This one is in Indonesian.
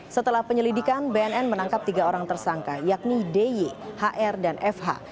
setelah penyelidikan bnn menangkap tiga orang tersangka yakni dy hr dan fh